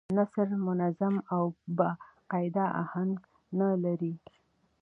نثر منظم او با قاعده اهنګ نه لري.